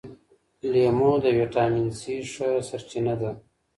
لیمو د ویټامین سي ښه سرچینه ده.